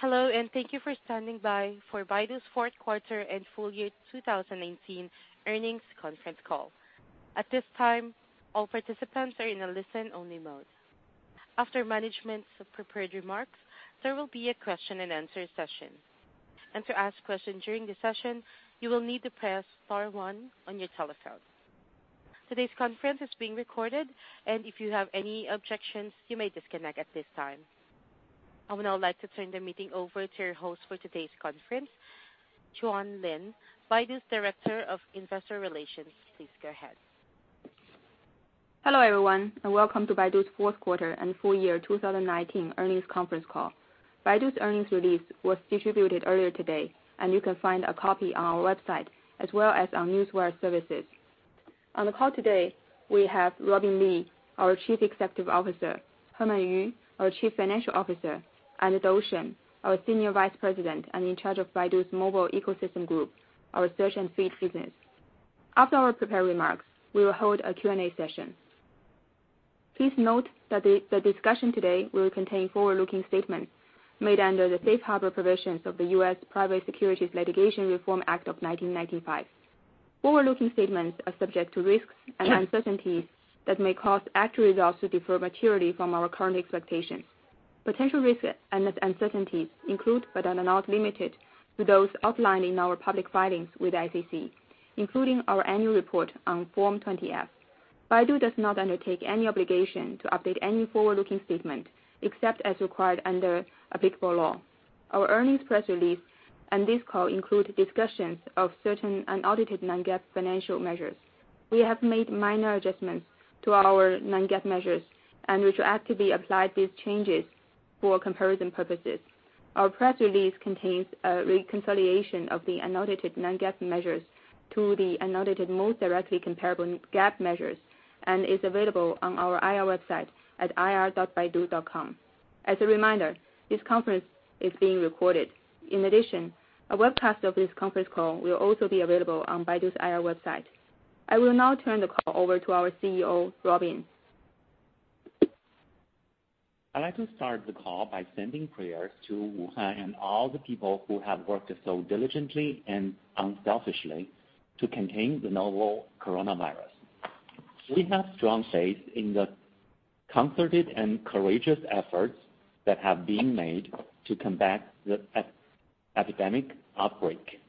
Hello. Thank you for standing by for Baidu's Q4 and Full Year 2019 Earnings Conference Call. At this time, all participants are in a listen-only mode. After management's prepared remarks, there will be a question and answer session. To ask questions during the session, you will need to press star one on your telephone. Today's conference is being recorded. If you have any objections, you may disconnect at this time. I would now like to turn the meeting over to your host for today's conference, Juan Lin, Baidu's Director of Investor Relations. Please go ahead. Hello, everyone, and welcome to Baidu's Q4 and Full Year 2019 Earnings Conference Call. Baidu's earnings release was distributed earlier today, and you can find a copy on our website as well as our newswire services. On the call today, we have Robin Li, our Chief Executive Officer, Herman Yu, our Chief Financial Officer, and Dou Shen, our Senior Vice President and in charge of Baidu Mobile Ecosystem Group, our Baidu Search and Baidu Feed business. After our prepared remarks, we will hold a Q&A session. Please note that the discussion today will contain forward-looking statements made under the Safe Harbor provisions of the U.S. Private Securities Litigation Reform Act of 1995. Forward-looking statements are subject to risks and uncertainties that may cause actual results to differ materially from our current expectations. Potential risks and uncertainties include, but are not limited to those outlined in our public filings with the SEC, including our annual report on Form 20-F. Baidu does not undertake any obligation to update any forward-looking statement except as required under applicable law. Our earnings press release and this call include discussions of certain unaudited non-GAAP financial measures. We have made minor adjustments to our non-GAAP measures and retroactively applied these changes for comparison purposes. Our press release contains a reconciliation of the unaudited non-GAAP measures to the unaudited most directly comparable GAAP measures and is available on our IR website at ir.baidu.com. As a reminder, this conference is being recorded. In addition, a webcast of this conference call will also be available on Baidu's IR website. I will now turn the call over to our CEO, Robin. I'd like to start the call by sending prayers to Wuhan and all the people who have worked so diligently and unselfishly to contain the novel coronavirus. We have strong faith in the concerted and courageous efforts that have been made to combat the epidemic outbreak.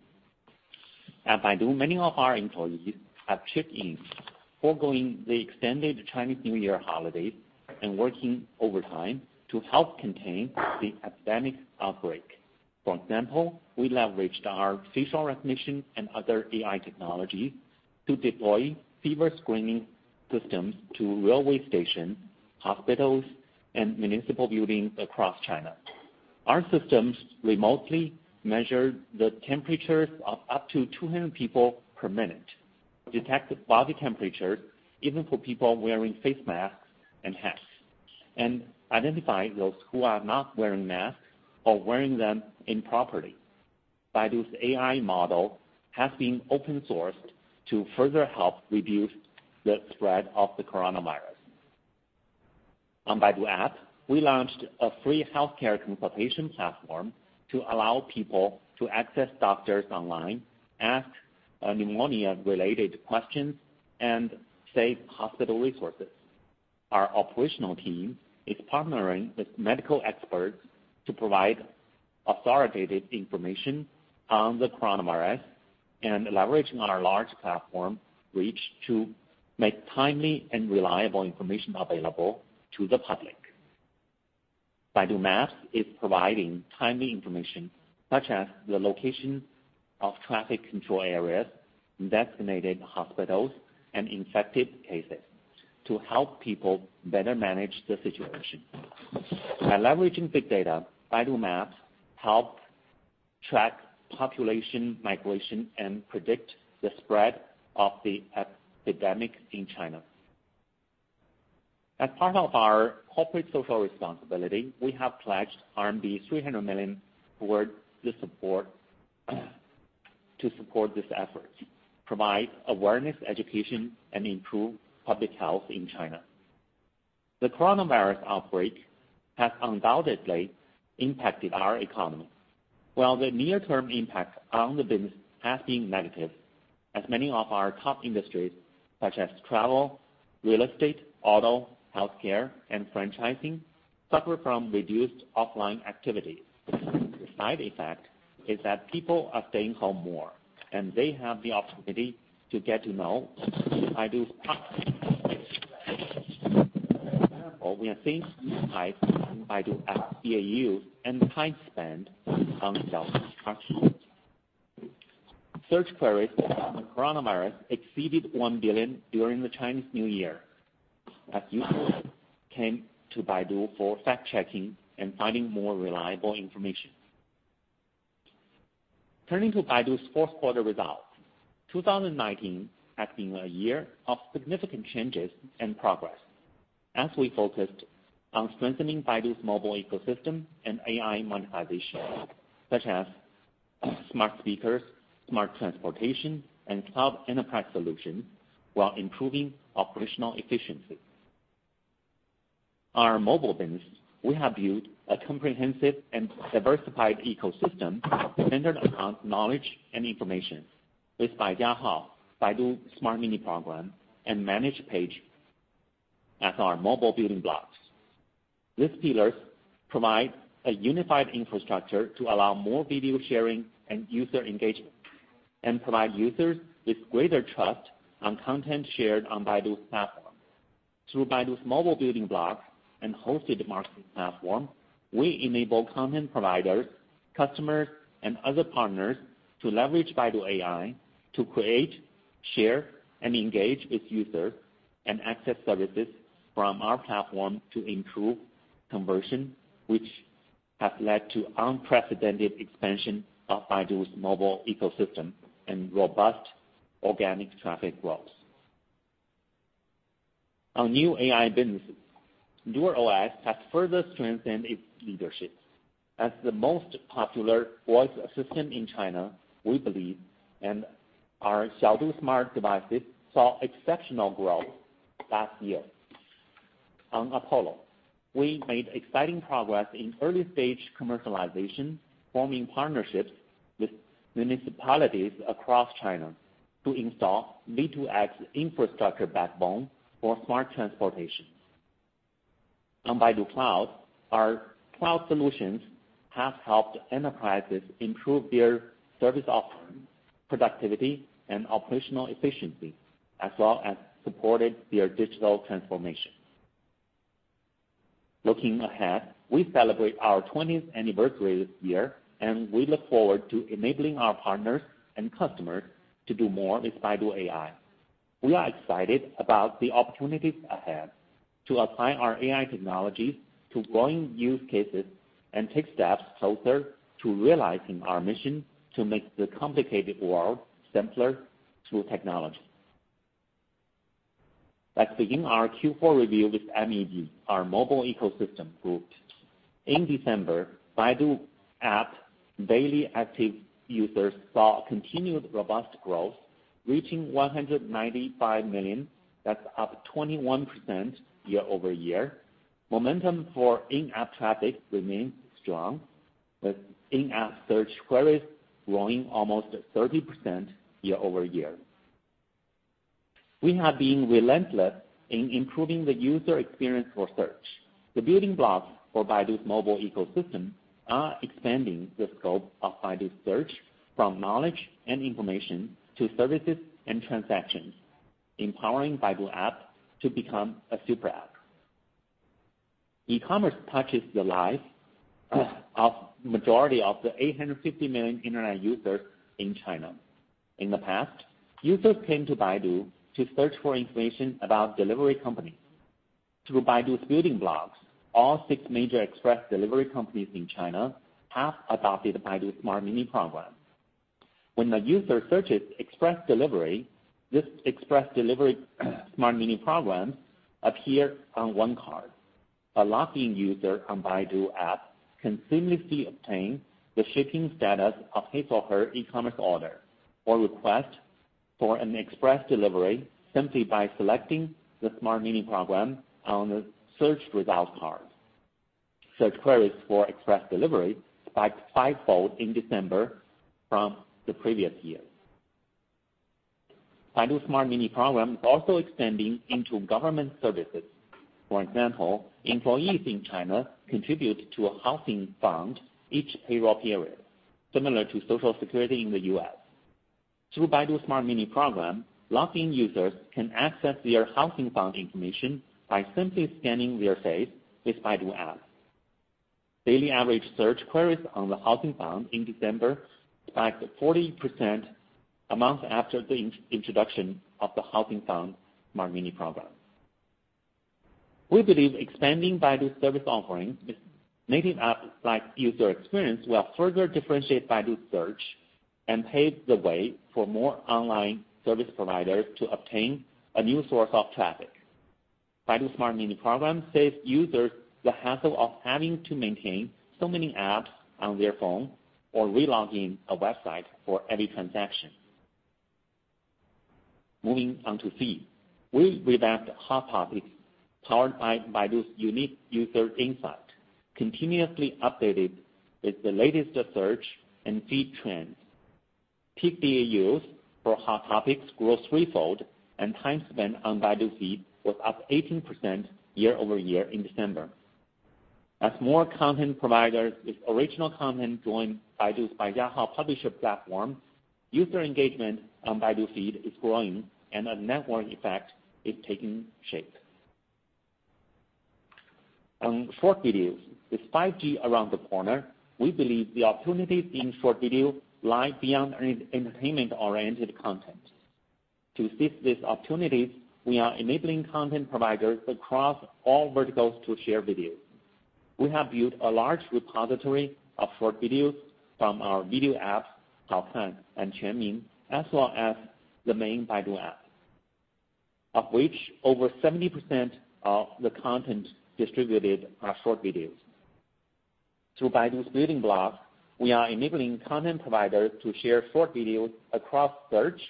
At Baidu, many of our employees have chipped in, foregoing the extended Chinese New Year holidays and working overtime to help contain the epidemic outbreak. For example, we leveraged our facial recognition and other AI technology to deploy fever screening systems to railway stations, hospitals, and municipal buildings across China. Our systems remotely measure the temperatures of up to 200 people per minute, detect body temperature even for people wearing face masks and hats, and identify those who are not wearing masks or wearing them improperly. Baidu's AI model has been open-sourced to further help reduce the spread of the coronavirus. On Baidu App, we launched a free healthcare consultation platform to allow people to access doctors online, ask pneumonia-related questions, and save hospital resources. Our operational team is partnering with medical experts to provide authoritative information on the coronavirus and leveraging our large platform reach to make timely and reliable information available to the public. Baidu Maps is providing timely information, such as the location of traffic control areas, designated hospitals, and infected cases to help people better manage the situation. By leveraging big data, Baidu Maps helps track population migration and predict the spread of the epidemic in China. As part of our corporate social responsibility, we have pledged RMB 300 million to support this effort, provide awareness, education, and improve public health in China. The coronavirus outbreak has undoubtedly impacted our economy. While the near-term impact on the business has been negative, as many of our top industries, such as travel, real estate, auto, healthcare, and franchising suffer from reduced offline activity. The side effect is that people are staying home more, and they have the opportunity to get to know Baidu. For example, we have seen spikes in Baidu App DAU and time spent on search queries on coronavirus exceeded 1 billion during the Chinese New Year, as users came to Baidu for fact-checking and finding more reliable information. Turning to Baidu's Q4 results. 2019 has been a year of significant changes and progress as we focused on strengthening Baidu's mobile ecosystem and AI monetization, such as smart speakers, smart transportation, and cloud enterprise solutions, while improving operational efficiency. Our mobile business, we have built a comprehensive and diversified ecosystem centered around knowledge and information. With Baijiahao, Baidu Smart Mini Program, and Managed Page as our mobile building blocks. These pillars provide a unified infrastructure to allow more video sharing and user engagement, and provide users with greater trust on content shared on Baidu's platform. Through Baidu's mobile building blocks and hosted marketing platform, we enable content providers, customers, and other partners to leverage Baidu AI to create, share, and engage with users, and access services from our platform to improve conversion, which has led to unprecedented expansion of Baidu's mobile ecosystem and robust organic traffic growth. On new AI businesses, DuerOS has further strengthened its leadership. As the most popular voice assistant in China, we believe, and our Xiaodu smart devices saw exceptional growth last year. On Apollo, we made exciting progress in early-stage commercialization, forming partnerships with municipalities across China to install V2X infrastructure backbone for smart transportation. On Baidu Cloud, our cloud solutions have helped enterprises improve their service offerings, productivity, and operational efficiency, as well as supported their digital transformation. Looking ahead, we celebrate our 20th anniversary this year, and we look forward to enabling our partners and customers to do more with Baidu AI. We are excited about the opportunities ahead to apply our AI technologies to growing use cases and take steps closer to realizing our mission to make the complicated world simpler through technology. Let's begin our Q4 review with MEG, our Mobile Ecosystem Group. In December, Baidu App daily active users saw continued robust growth, reaching 195 million. That's up 21% year-over-year. Momentum for in-app traffic remains strong, with in-app Search queries growing almost 30% year-over-year. We have been relentless in improving the user experience for Search. The building blocks for Baidu's mobile ecosystem are expanding the scope of Baidu Search from knowledge and information to services and transactions, empowering Baidu App to become a super app. E-commerce touches the lives of majority of the 850 million internet users in China. In the past, users came to Baidu to search for information about delivery companies. Through Baidu's building blocks, all six major express delivery companies in China have adopted Baidu Smart Mini Program. When a user searches express delivery, this express delivery Smart Mini Program appear on one card. A logged-in user on Baidu App can seamlessly obtain the shipping status of his or her e-commerce order, or request for an express delivery simply by selecting the Smart Mini Program on the search result card. Search queries for express delivery spiked five-fold in December from the previous year. Baidu Smart Mini Program is also extending into government services. For example, employees in China contribute to a housing fund each payroll period, similar to Social Security in the U.S. Through Baidu Smart Mini Program, logged-in users can access their housing fund information by simply scanning their face with Baidu App. Daily average search queries on the housing fund in December spiked 40% a month after the introduction of the housing fund Smart Mini Program. We believe expanding Baidu service offerings with native apps like user experience will further differentiate Baidu Search and pave the way for more online service providers to obtain a new source of traffic. Baidu Smart Mini Program saves users the hassle of having to maintain so many apps on their phone or re-logging a website for every transaction. Moving on to Feed. We revamped Hot Topics, powered by Baidu's unique user insight, continuously updated with the latest search and Baidu Feed trends. Peak DAUs for Hot Topics grows threefold, and time spent on Baidu Feed was up 18% year-over-year in December. As more content providers with original content join Baidu's Baijiahao publisher platform, user engagement on Baidu Feed is growing, and a network effect is taking shape. On short videos. With 5G around the corner, we believe the opportunities in short video lie beyond entertainment-oriented content. To seize these opportunities, we are enabling content providers across all verticals to share videos. We have built a large repository of short videos from our video apps, Haokan and Quanmin, as well as the main Baidu App. Of which, over 70% of the content distributed are short videos. Through Baidu's building blocks, we are enabling content providers to share short videos across search,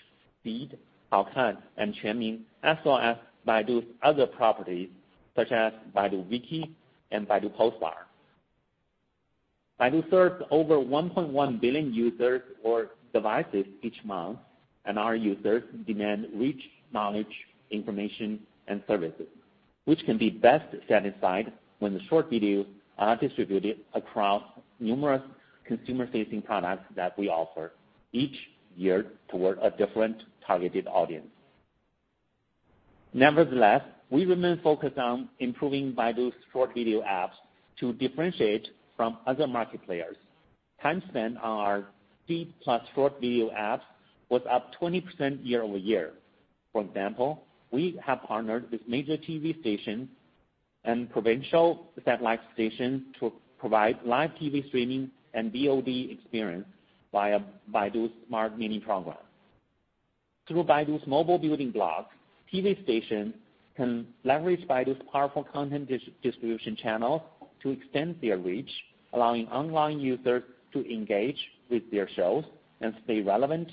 feed, Haokan, and QuanMIN, as well as Baidu's other properties such as BaiduWiki and Baidu Tieba. Baidu serves over 1.1 billion users or devices each month, and our users demand rich knowledge, information, and services, which can be best satisfied when the short videos are distributed across numerous consumer-facing products that we offer, each geared toward a different targeted audience. Nevertheless, we remain focused on improving Baidu's short video apps to differentiate from other market players. Time spent on our feed plus short video apps was up 20% year-over-year. For example, we have partnered with major TV stations and provincial satellite stations to provide live TV streaming and VOD experience via Baidu Smart Mini Programs. Through Baidu's mobile building blocks, TV stations can leverage Baidu's powerful content distribution channels to extend their reach, allowing online users to engage with their shows and stay relevant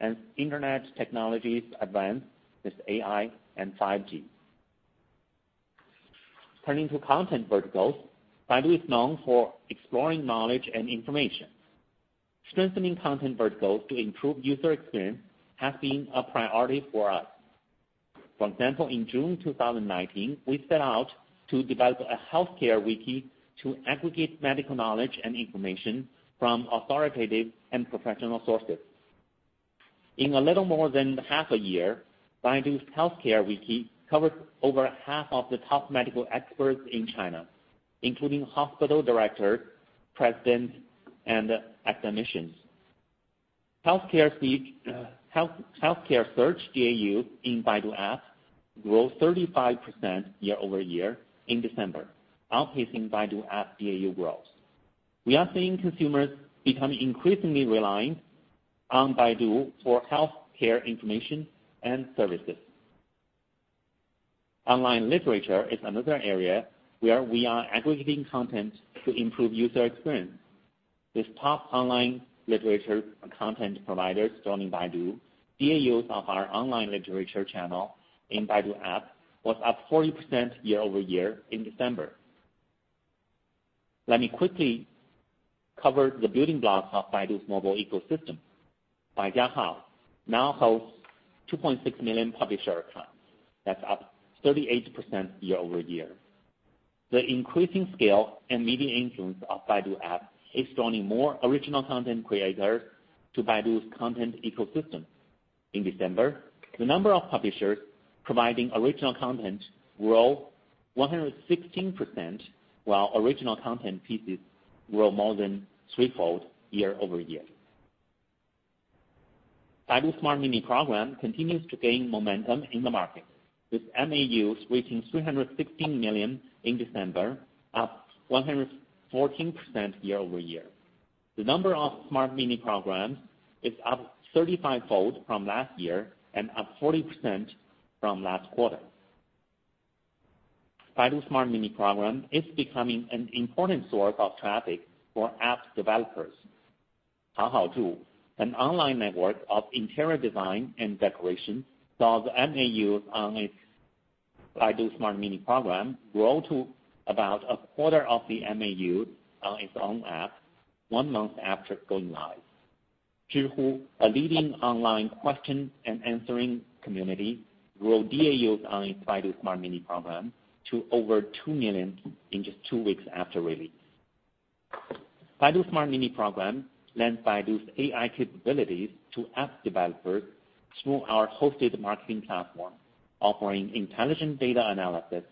as internet technologies advance with AI and 5G. Turning to content verticals, Baidu is known for exploring knowledge and information. Strengthening content verticals to improve user experience has been a priority for us. For example, in June 2019, we set out to develop a healthcare wiki to aggregate medical knowledge and information from authoritative and professional sources. In a little more than half a year, Baidu's healthcare wiki covered over half of the top medical experts in China, including hospital directors, presidents, and academicians. Healthcare search DAU in Baidu App grew 35% year-over-year in December, outpacing Baidu App DAU growth. We are seeing consumers become increasingly reliant on Baidu for healthcare information and services. Online literature is another area where we are aggregating content to improve user experience. With top online literature content providers joining Baidu, DAUs of our online literature channel in Baidu App was up 40% year-over-year in December. Let me quickly cover the building blocks of Baidu's mobile ecosystem. Baijiahao now hosts 2.6 million publisher accounts. That's up 38% year-over-year. The increasing scale and media influence of Baidu App is drawing more original content creators to Baidu's content ecosystem. In December, the number of publishers providing original content grew 116%, while original content pieces grew more than threefold year-over-year. Baidu Smart Mini Program continues to gain momentum in the market, with MAUs reaching 316 million in December, up 114% year-over-year. The number of smart mini programs is up 35-fold from last year and up 40% from last quarter. Baidu Smart Mini Program is becoming an important source of traffic for app developers. HaoHaoJiu, an online network of interior design and decoration, saw the MAUs on its Baidu Smart Mini Program grow to about a quarter of the MAU on its own app one month after going live. Zhihu, a leading online question and answering community, grew DAUs on its Baidu Smart Mini Program to over 2 million in just two weeks after release. Baidu Smart Mini Program lends Baidu's AI capabilities to app developers through our hosted marketing platform, offering intelligent data analysis,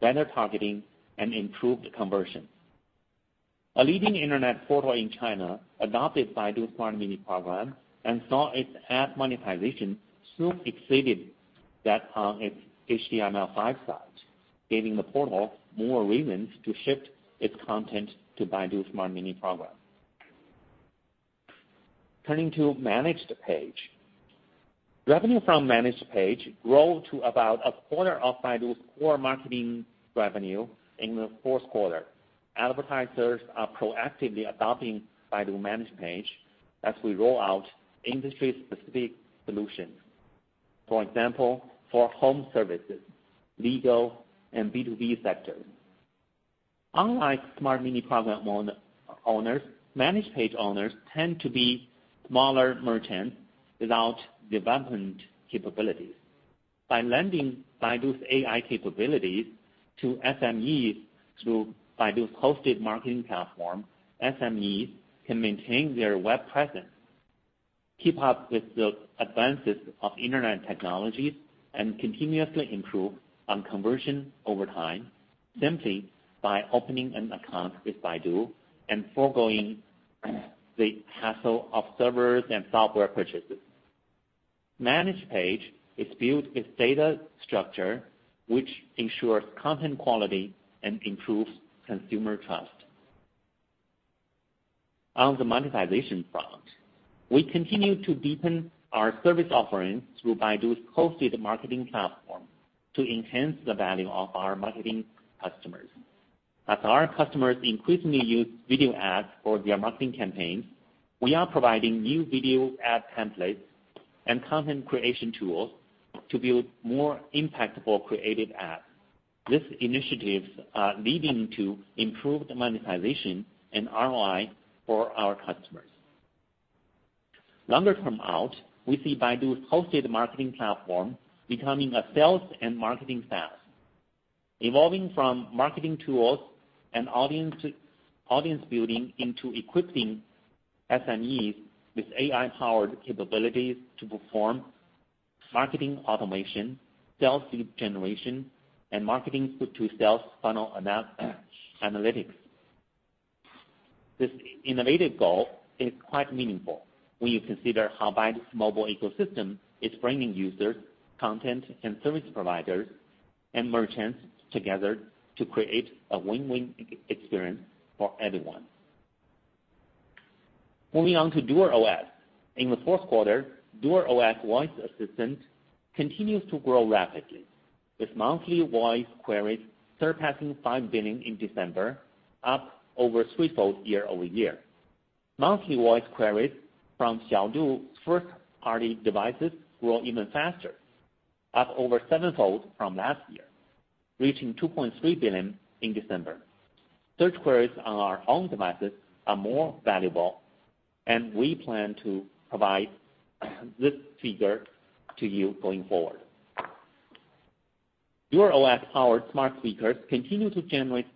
better targeting, and improved conversion. A leading internet portal in China adopted Baidu's Smart Mini Program and saw its ad monetization soon exceeded that on its HTML5 sites, giving the portal more reasons to shift its content to Baidu's Smart Mini Program. Turning to Managed Page. Revenue from Managed Page grew to about a quarter of Baidu Core marketing revenue in the Q4. Advertisers are proactively adopting Baidu Managed Page as we roll out industry-specific solutions. For example, for home services, legal, and B2B sectors. Unlike Smart Mini Program owners, Managed Page owners tend to be smaller merchants without development capabilities. By lending Baidu's AI capabilities to SMEs through Baidu's hosted marketing platform, SMEs can maintain their web presence, keep up with the advances of internet technologies, and continuously improve on conversion over time simply by opening an account with Baidu and forgoing the hassle of servers and software purchases. Managed Page is built with data structure, which ensures content quality and improves consumer trust. On the monetization front, we continue to deepen our service offerings through Baidu's hosted marketing platform to enhance the value of our marketing customers. As our customers increasingly use video ads for their marketing campaigns, we are providing new video ad templates and content creation tools to build more impactful creative ads. These initiatives are leading to improved monetization and ROI for our customers. Longer term out, we see Baidu's hosted marketing platform becoming a sales and marketing SaaS. Evolving from marketing tools and audience building into equipping SMEs with AI-powered capabilities to perform marketing automation, sales lead generation, and marketing to sales funnel analytics. This innovative goal is quite meaningful when you consider how Baidu's mobile ecosystem is bringing users, content, and service providers, and merchants together to create a win-win experience for everyone. Moving on to DuerOS. In the Q4, DuerOS voice assistant continues to grow rapidly, with monthly voice queries surpassing 5 billion in December, up over threefold year-over-year. Monthly voice queries from Xiaodu's first-party devices grow even faster, up over sevenfold from last year, reaching 2.3 billion in December. Search queries on our own devices are more valuable, and we plan to provide this figure to you going forward. DuerOS-powered smart speakers continue to generate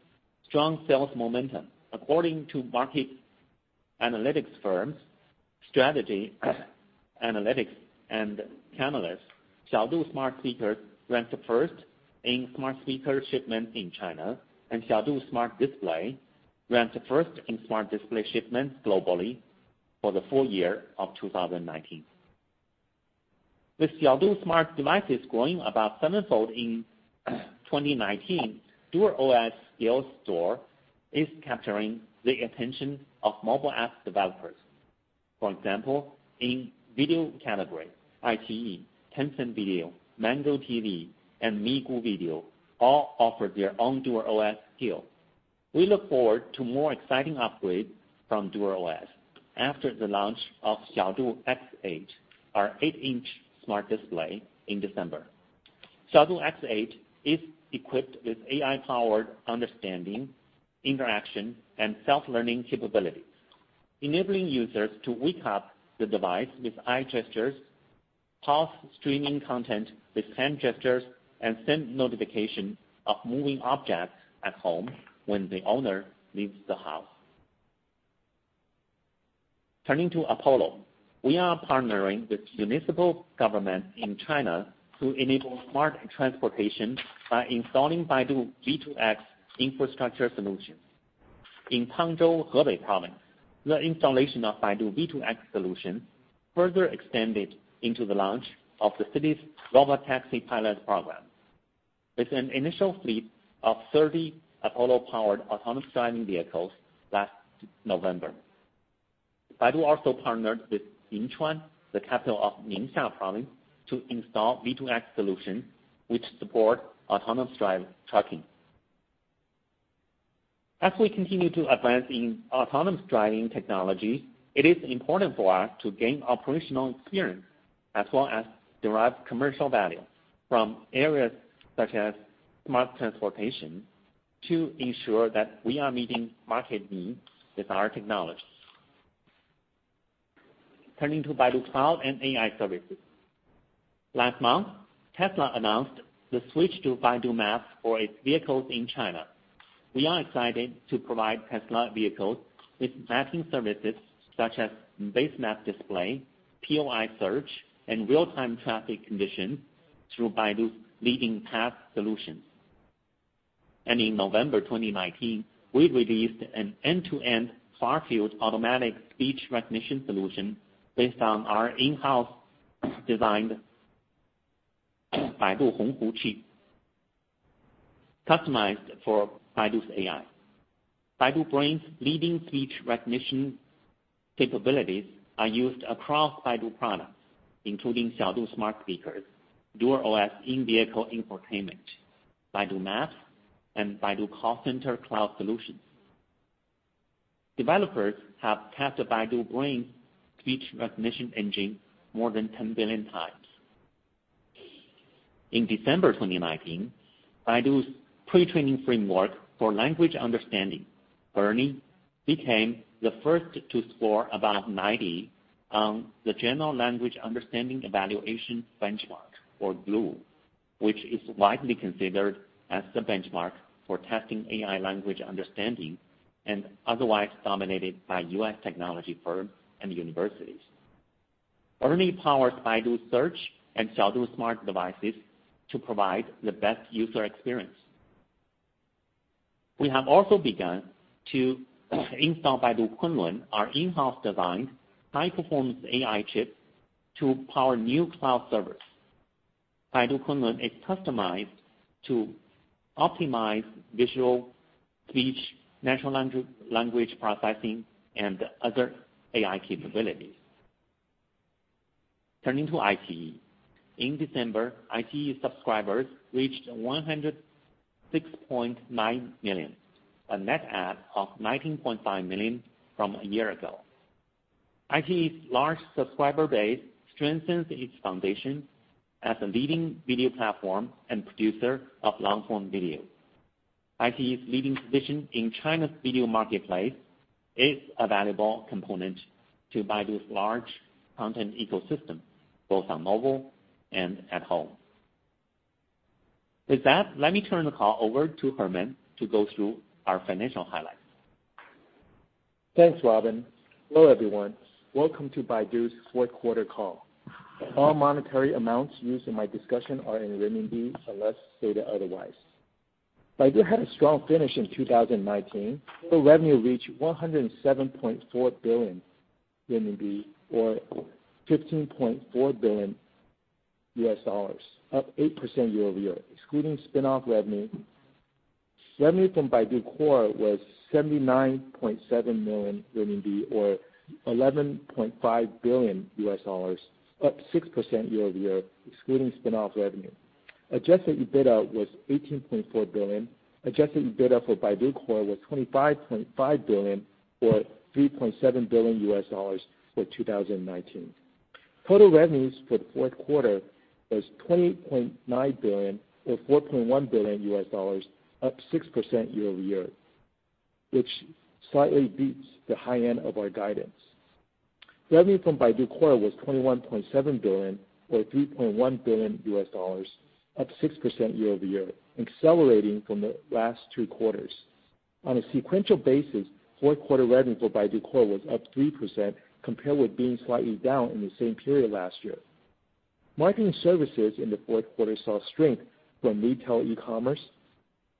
strong sales momentum. According to market analytics firms, Strategy Analytics and Canalys, Xiaodu smart speakers ranked first in smart speaker shipments in China, and Xiaodu Smart Display ranked first in smart display shipments globally for the full year of 2019. With Xiaodu smart devices growing about sevenfold in 2019, DuerOS skills store is capturing the attention of mobile apps developers. For example, in video category, iQIYI, Tencent Video, Mango TV, and Migu Video all offer their own DuerOS skill. We look forward to more exciting upgrades from DuerOS after the launch of Xiaodu X8, our eight-inch smart display in December. Xiaodu X8 is equipped with AI-powered understanding, interaction, and self-learning capabilities, enabling users to wake up the device with eye gestures, pause streaming content with hand gestures, and send notification of moving objects at home when the owner leaves the house. Turning to Apollo. We are partnering with municipal government in China to enable smart transportation by installing Baidu V2X infrastructure solutions. In Cangzhou, Hebei Province, the installation of Baidu V2X solution further extended into the launch of the city's robotaxi pilot program with an initial fleet of 30 Apollo-powered autonomous driving vehicles last November. Baidu also partnered with Yinchuan, the capital of Ningxia, to install V2X solution, which support autonomous drive trucking. As we continue to advance in autonomous driving technology, it is important for us to gain operational experience as well as derive commercial value from areas such as smart transportation to ensure that we are meeting market needs with our technology. Turning to Baidu AI Cloud and AI services. Last month, Tesla announced the switch to Baidu Map for its vehicles in China. We are excited to provide Tesla vehicles with mapping services such as base map display, POI search, and real-time traffic conditions through Baidu's leading path solutions. In November 2019, we released an end-to-end far-field automatic speech recognition solution based on our in-house designed Baidu Honghu Chip, customized for Baidu's AI. Baidu Brain's leading speech recognition capabilities are used across Baidu products, including Xiaodu smart speakers, DuerOS in-vehicle infotainment, Baidu Maps, and Baidu call center cloud solutions. Developers have tested Baidu Brain speech recognition engine more than 10 billion times. In December 2019, Baidu's pre-training framework for language understanding, ERNIE, became the first to score above 90 on the General Language Understanding Evaluation Benchmark or GLUE, which is widely considered as the benchmark for testing AI language understanding and otherwise dominated by U.S. technology firms and universities. ERNIE powers Baidu Search and Xiaodu smart devices to provide the best user experience. We have also begun to install Baidu Kunlun, our in-house designed high-performance AI chip to power new cloud servers. Baidu Kunlun is customized to optimize visual speech, natural language processing, and other AI capabilities. Turning to iQIYI. In December, iQIYI subscribers reached 106.9 million, a net add of 19.5 million from a year ago. iQIYI's large subscriber base strengthens its foundation as a leading video platform and producer of long-form video. IQIYI's leading position in China's video marketplace is a valuable component to Baidu's large content ecosystem, both on mobile and at home. With that, let me turn the call over to Herman to go through our financial highlights. Thanks, Robin. Hello, everyone. Welcome to Baidu's Q4 call. All monetary amounts used in my discussion are in renminbi, unless stated otherwise. Baidu had a strong finish in 2019. Total revenue reached 107.4 billion, or $15.4 billion, up 8% year-over-year. Excluding spin-off revenue from Baidu Core was 79.7 million RMB, or $11.5 billion, up 6% year-over-year, excluding spin-off revenue. Adjusted EBITDA was 18.4 billion. Adjusted EBITDA for Baidu Core was 25.5 billion, or $3.7 billion for 2019. Total revenues for the Q4 was CNY 20.9 billion, or $4.1 billion, up 6% year-over-year, which slightly beats the high end of our guidance. Revenue from Baidu Core was 21.7 billion, or $3.1 billion, up 6% year-over-year, accelerating from the last two quarters. On a sequential basis, Q4 revenue for Baidu Core was up 3%, compared with being slightly down in the same period last year. Marketing services in the Q4 saw strength from retail, e-commerce,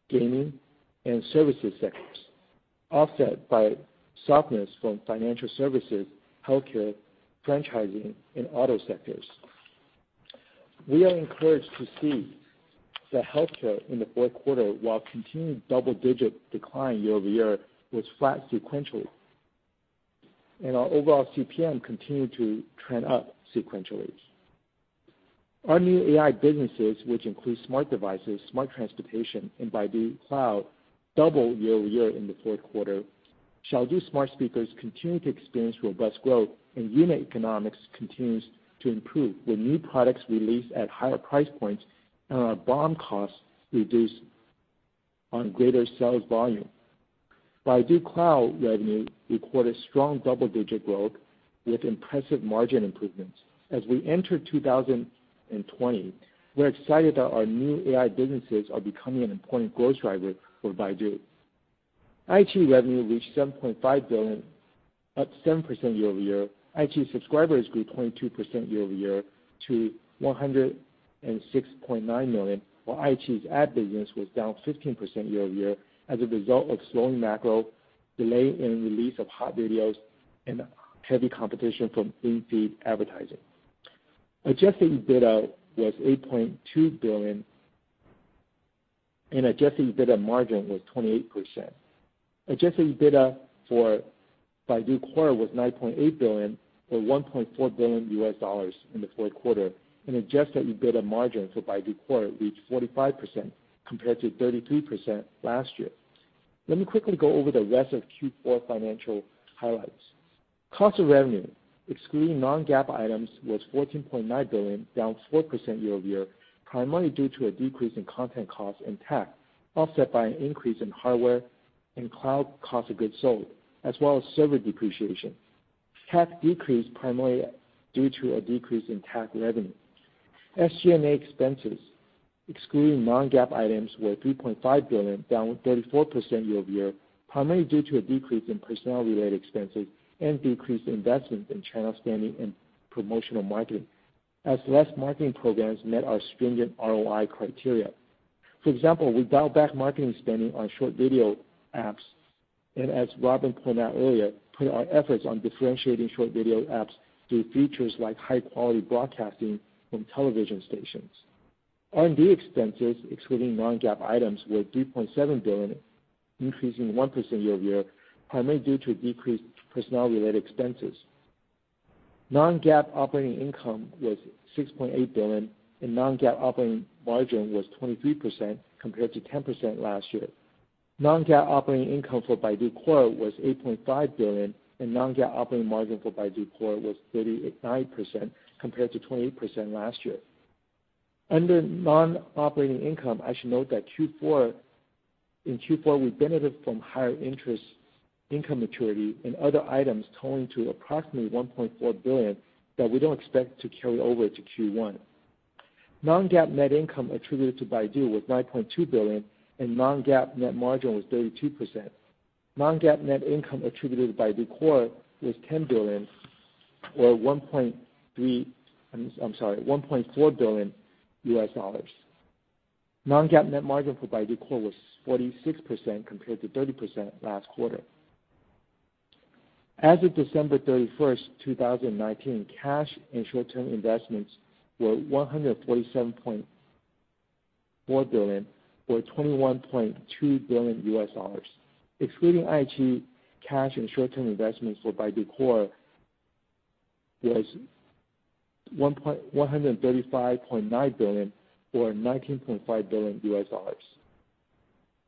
gaming, and services sectors, offset by softness from financial services, healthcare, franchising, and auto sectors. We are encouraged to see that healthcare in the Q4, while continuing double-digit decline year-over-year, was flat sequentially. Our overall CPM continued to trend up sequentially. Our new AI businesses, which include smart devices, smart transportation, and Baidu Cloud, doubled year-over-year in the Q4. Xiaodu smart speakers continue to experience robust growth, and unit economics continues to improve, with new products released at higher price points and our BOM costs reduced on greater sales volume. Baidu Cloud revenue recorded strong double-digit growth with impressive margin improvements. As we enter 2020, we're excited that our new AI businesses are becoming an important growth driver for Baidu. iQIYI revenue reached 7.5 billion, up 7% year-over-year. iQIYI subscribers grew 22% year-over-year to 106.9 million, while iQIYI's ad business was down 15% year-over-year as a result of slowing macro, delay in release of hot videos, and heavy competition from in-feed advertising. Adjusted EBITDA was CNY 8.2 billion, and adjusted EBITDA margin was 28%. Adjusted EBITDA for Baidu Core was 9.8 billion, or $1.4 billion, in the Q4, and adjusted EBITDA margin for Baidu Core reached 45% compared to 33% last year. Let me quickly go over the rest of Q4 financial highlights. Cost of revenue, excluding non-GAAP items, was 14.9 billion, down 4% year-over-year, primarily due to a decrease in content costs and TAC, offset by an increase in hardware and cloud cost of goods sold, as well as server depreciation. TAC decreased primarily due to a decrease in TAC revenue. SG&A expenses, excluding non-GAAP items, were 3.5 billion, down 34% year-over-year, primarily due to a decrease in personnel-related expenses and decreased investments in channel spending and promotional marketing, as less marketing programs met our stringent ROI criteria. For example, we dialed back marketing spending on short video apps and, as Robin pointed out earlier, put our efforts on differentiating short video apps through features like high-quality broadcasting from television stations. R&D expenses, excluding non-GAAP items, were 3.7 billion, increasing 1% year-over-year, primarily due to decreased personnel-related expenses. Non-GAAP operating income was 6.8 billion, and non-GAAP operating margin was 23% compared to 10% last year. Non-GAAP operating income for Baidu Core was 8.5 billion, and non-GAAP operating margin for Baidu Core was 39% compared to 28% last year. Under non-operating income, I should note that in Q4, we benefited from higher interest income maturity and other items totaling to approximately 1.4 billion that we don't expect to carry over to Q1. Non-GAAP net income attributed to Baidu was 9.2 billion, and non-GAAP net margin was 32%. Non-GAAP net income attributed to Baidu Core was 10 billion or I'm sorry, $1.4 billion. Non-GAAP net margin for Baidu Core was 46% compared to 30% last quarter. As of December 31st, 2019, cash and short-term investments were 147.4 billion or $21.2 billion. Excluding IAG, cash and short-term investments for Baidu Core was 135.9 billion or $19.5 billion.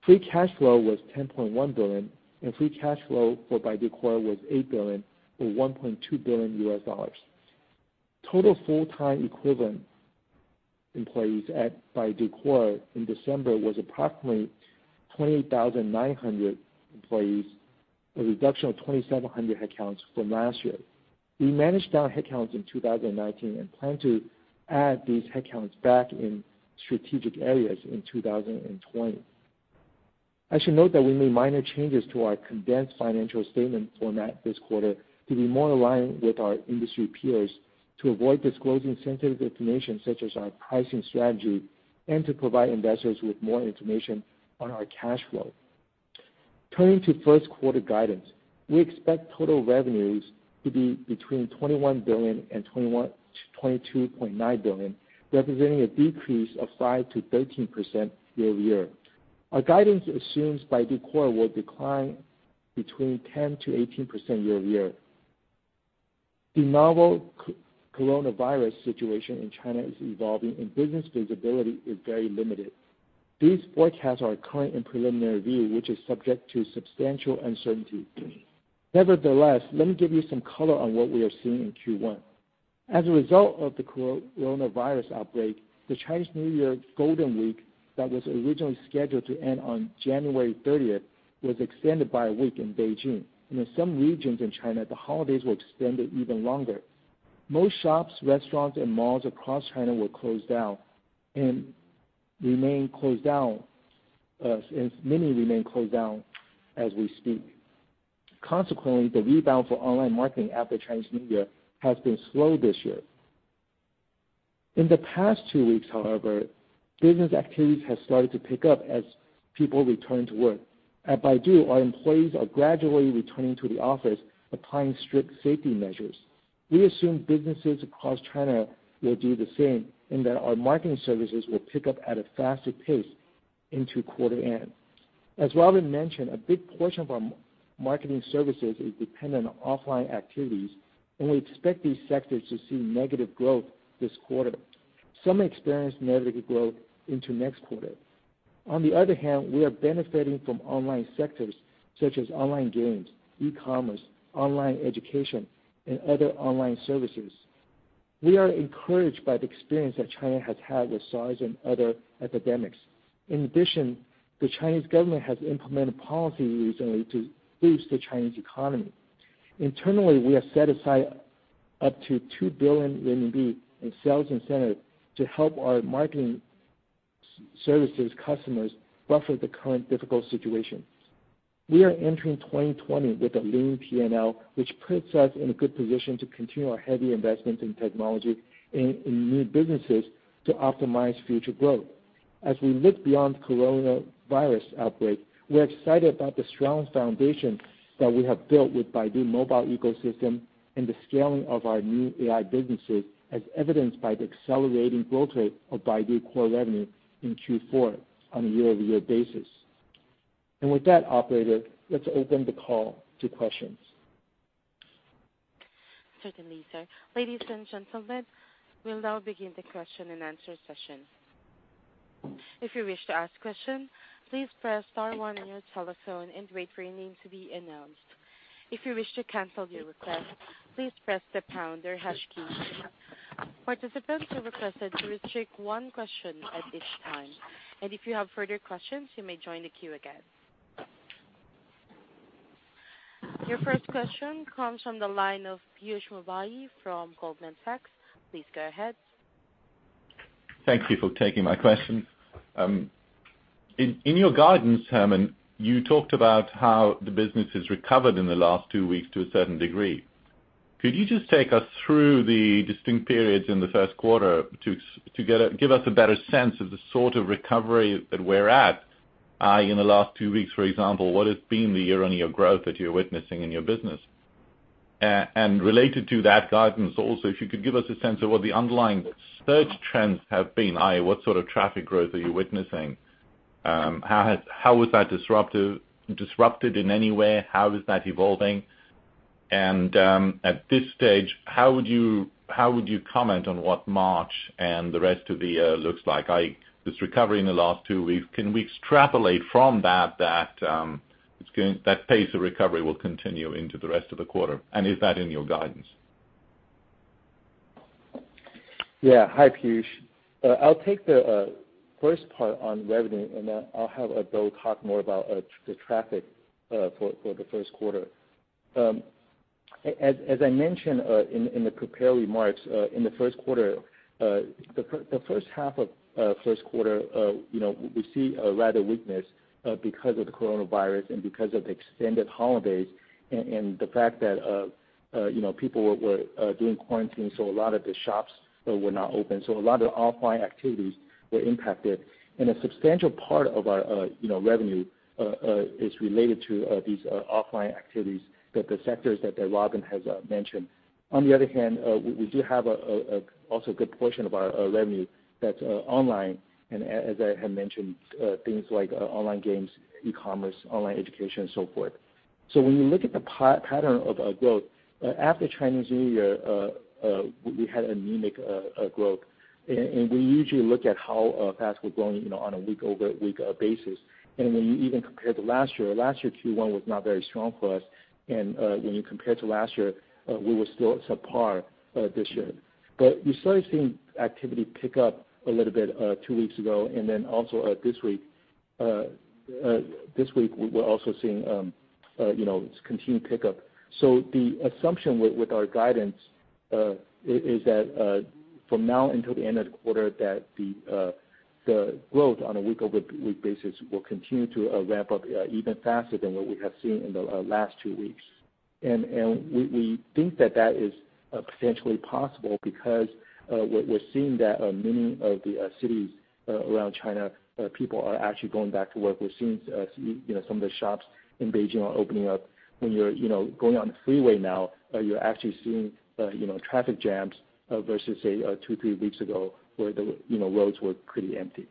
Free cash flow was 10.1 billion, and free cash flow for Baidu Core was 8 billion or $1.2 billion. Total full-time equivalent employees at Baidu Core in December was approximately 28,900 employees, a reduction of 2,700 headcounts from last year. We managed down headcounts in 2019 and plan to add these headcounts back in strategic areas in 2020. I should note that we made minor changes to our condensed financial statement format this quarter to be more aligned with our industry peers, to avoid disclosing sensitive information such as our pricing strategy, and to provide investors with more information on our cash flow. Turning to Q1 guidance, we expect total revenues to be between 21 billion and 22.9 billion, representing a decrease of 5%-13% year-over-year. Our guidance assumes Baidu Core will decline between 10%-18% year-over-year. The novel coronavirus situation in China is evolving, and business visibility is very limited. These forecasts are our current and preliminary view, which is subject to substantial uncertainty. Nevertheless, let me give you some color on what we are seeing in Q1. As a result of the coronavirus outbreak, the Chinese New Year Golden Week, that was originally scheduled to end on January 30th, was extended by one week in Beijing. In some regions in China, the holidays were extended even longer. Most shops, restaurants, and malls across China were closed down and many remain closed down as we speak. Consequently, the rebound for online marketing after Chinese New Year has been slow this year. In the past two weeks, however, business activities have started to pick up as people return to work. At Baidu, our employees are gradually returning to the office, applying strict safety measures. We assume businesses across China will do the same, and that our marketing services will pick up at a faster pace into quarter end. As Robin mentioned, a big portion of our marketing services is dependent on offline activities, and we expect these sectors to see negative growth this quarter. Some may experience negative growth into next quarter. On the other hand, we are benefiting from online sectors such as online games, e-commerce, online education, and other online services. We are encouraged by the experience that China has had with SARS and other epidemics. In addition, the Chinese government has implemented policies recently to boost the Chinese economy. Internally, we have set aside up to 2 billion RMB in sales incentive to help our marketing services customers buffer the current difficult situation. We are entering 2020 with a lean P&L, which puts us in a good position to continue our heavy investment in technology and in new businesses to optimize future growth. As we look beyond coronavirus outbreak, we're excited about the strong foundation that we have built with Baidu Mobile Ecosystem and the scaling of our new AI businesses, as evidenced by the accelerating growth rate of Baidu Core revenue in Q4 on a year-over-year basis. With that, operator, let's open the call to questions. Certainly, sir. Ladies and gentlemen, we'll now begin the question and answer session. If you wish to ask question, please press star one on your telephone and wait for your name to be announced. If you wish to cancel your request, please press the pound or hash key. Participants are requested to restrict one question at this time, and if you have further questions, you may join the queue again. Your first question comes from the line of Piyush Mubayi from Goldman Sachs. Please go ahead. Thank you for taking my question. In your guidance, Herman, you talked about how the business has recovered in the last two weeks to a certain degree. Could you just take us through the distinct periods in the Q1 to give us a better sense of the sort of recovery that we're at, i.e., in the last two weeks, for example, what has been the year-on-year growth that you're witnessing in your business? Related to that guidance also, if you could give us a sense of what the underlying search trends have been, i.e., what sort of traffic growth are you witnessing? How was that disrupted in any way? How is that evolving? At this stage, how would you comment on what March and the rest of the year looks like? This recovery in the last two weeks, can we extrapolate from that pace of recovery will continue into the rest of the quarter? Is that in your guidance? Yeah. Hi, Piyush. I will take the first part on revenue, and then I will have Dou Shen talk more about the traffic for the Q1. As I mentioned in the prepared remarks, in the H1 of Q1 we see a rather weakness because of the Coronavirus and because of the extended holidays and the fact that people were doing quarantine, so a lot of the shops were not open. A lot of offline activities were impacted, and a substantial part of our revenue is related to these offline activities, the sectors that Robin has mentioned. On the other hand, we do have also a good portion of our revenue that is online, and as I had mentioned, things like online games, e-commerce, online education, and so forth. When you look at the pattern of growth, after Chinese New Year, we had anemic growth. We usually look at how fast we're growing on a week-over-week basis. When you even compare to last year, last year Q1 was not very strong for us. When you compare to last year, we were still subpar this year. We started seeing activity pick up a little bit two weeks ago, then also this week, we're also seeing its continued pickup. The assumption with our guidance, is that from now until the end of the quarter, the growth on a week-over-week basis will continue to ramp up even faster than what we have seen in the last two weeks. We think that is potentially possible because we're seeing that many of the cities around China, people are actually going back to work. We're seeing some of the shops in Beijing are opening up. When you're going on the freeway now, you're actually seeing traffic jams versus, say, two, three weeks ago where the roads were pretty empty.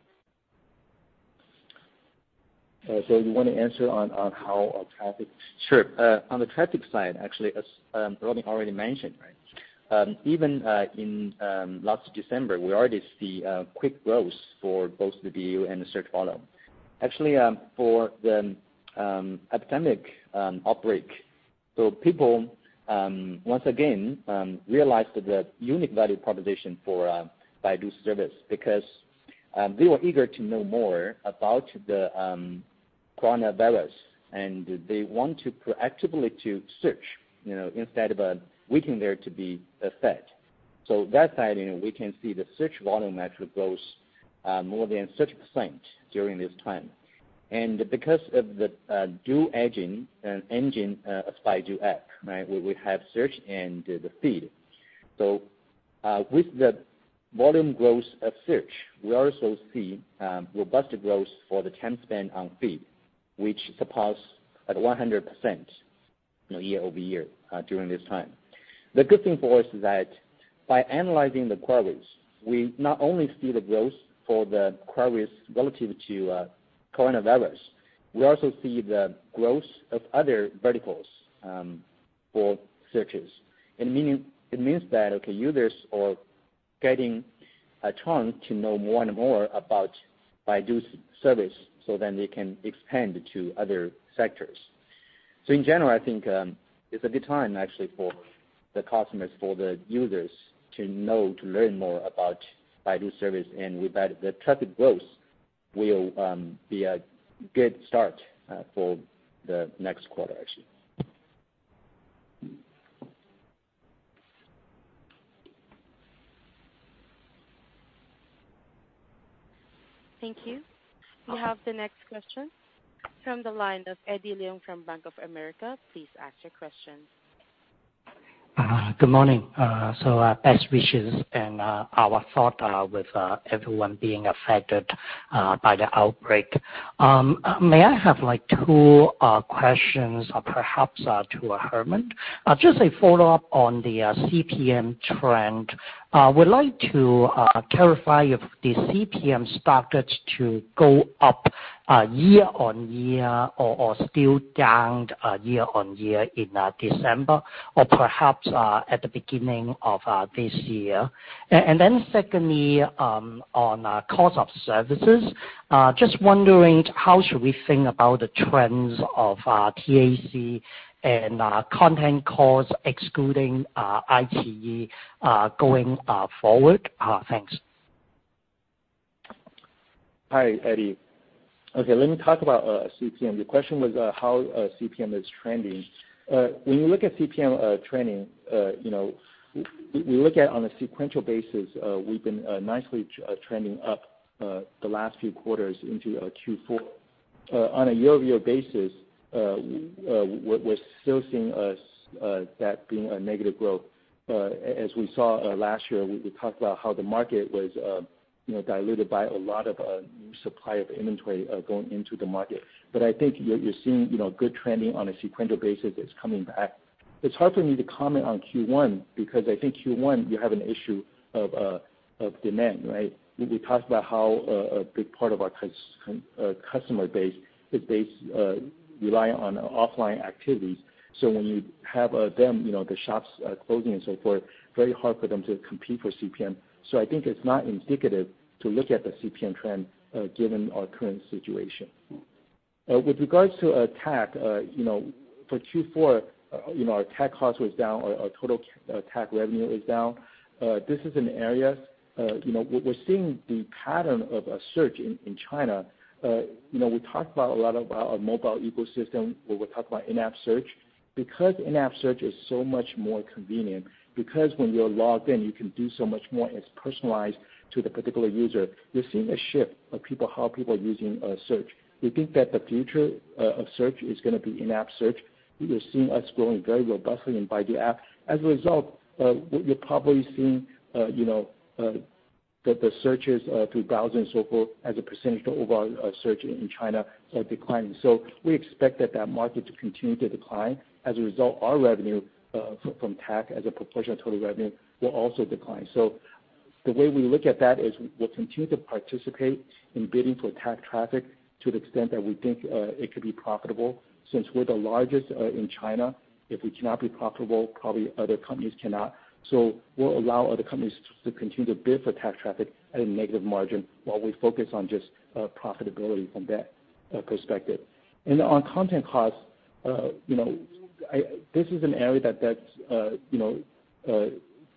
You want to answer on how our traffic- Sure. On the traffic side, actually, as Robin already mentioned. Even in last December, we already see quick growth for both the Baidu App and the search volume. Actually, for the epidemic outbreak, so people, once again, realized that the unique value proposition for Baidu's service because they were eager to know more about the coronavirus, and they want to proactively to search instead of waiting there to be affected. That side, we can see the search volume actually grows more than 30% during this time. Because of the dual engine of Baidu App, we have search and the feed. With the volume growth of search, we also see robust growth for the time spent on feed, which surpassed at 100% year-over-year during this time. The good thing for us is that by analyzing the queries, we not only see the growth for the queries relative to coronavirus, we also see the growth of other verticals for searches. It means that, okay, users are getting a chance to know more and more about Baidu's service, they can expand to other sectors. In general, I think it's a good time, actually, for the customers, for the users to know, to learn more about Baidu's service, and we bet the traffic growth will be a good start for the next quarter, actually. Thank you. We have the next question from the line of Eddie Leung from Bank of America. Please ask your question. Good morning. Best wishes and our thoughts are with everyone being affected by the outbreak. May I have two questions perhaps to Herman? Just a follow-up on the CPM trend. Would like to clarify if the CPM started to go up year-over-year or still down year-over-year in December, or perhaps at the beginning of this year. Secondly, on cost of services, just wondering how should we think about the trends of TAC and content cost excluding iQIYI going forward? Thanks. Hi, Eddie. Okay, let me talk about CPM. Your question was how CPM is trending. When you look at CPM trending, we look at on a sequential basis, we've been nicely trending up the last few quarters into Q4. On a year-over-year basis, we're still seeing that being a negative growth. We saw last year, we talked about how the market was diluted by a lot of new supply of inventory going into the market. I think you're seeing good trending on a sequential basis that's coming back. It's hard for me to comment on Q1 because I think Q1, you have an issue of demand, right? We talked about how a big part of our customer base rely on offline activities. When you have them, the shops closing and so forth, very hard for them to compete for CPM. I think it's not indicative to look at the CPM trend given our current situation. With regards to TAC, for Q4, our TAC cost was down, our total TAC revenue is down. This is an area we're seeing the pattern of a search in China. We talked about a lot about our mobile ecosystem where we talk about in-app search because in-app search is so much more convenient because when you're logged in, you can do so much more. It's personalized to the particular user. We're seeing a shift of how people are using search. We think that the future of search is going to be in-app search. You're seeing us growing very robustly in Baidu App. You're probably seeing the searches through Baidu and so forth as a % to overall search in China are declining. We expect that market to continue to decline. As a result, our revenue from TAC as a proportion of total revenue will also decline. The way we look at that is we'll continue to participate in bidding for TAC traffic to the extent that we think it could be profitable. Since we're the largest in China, if we cannot be profitable, probably other companies cannot. We'll allow other companies to continue to bid for TAC traffic at a negative margin while we focus on just profitability from that perspective. On content costs, this is an area that's